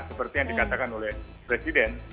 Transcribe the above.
seperti yang dikatakan oleh presiden